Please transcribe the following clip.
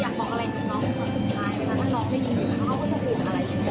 อยากบอกอะไรกับน้องอเล็กซ์สุดท้าย